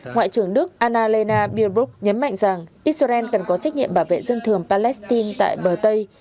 ngoại trưởng đức anna lena birbuk nhấn mạnh rằng israel cần có trách nhiệm bảo vệ dân thường palestine tại bờ tây